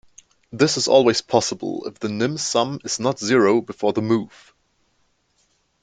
This is always possible if the nim-sum is not zero before the move.